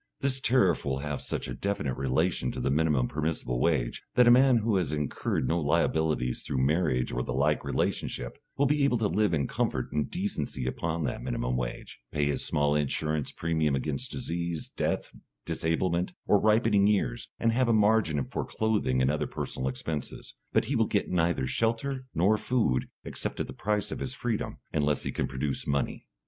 This tariff will have such a definite relation to the minimum permissible wage, that a man who has incurred no liabilities through marriage or the like relationship, will be able to live in comfort and decency upon that minimum wage, pay his small insurance premium against disease, death, disablement, or ripening years, and have a margin for clothing and other personal expenses. But he will get neither shelter nor food, except at the price of his freedom, unless he can produce money.